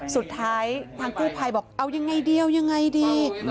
สุดท้ายทางกู้ภัยบอกเอายังไงเดียวยังไงดี